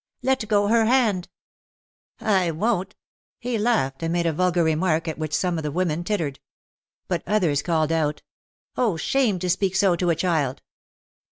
"Let go her hand." "I won't," he laughed and made a vulgar remark at which some of the women tittered. But others called out, "Oh, shame, to speak so to a child."